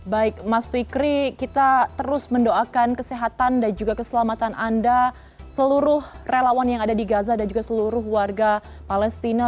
baik mas fikri kita terus mendoakan kesehatan dan juga keselamatan anda seluruh relawan yang ada di gaza dan juga seluruh warga palestina